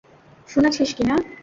শুনেছিস কি না?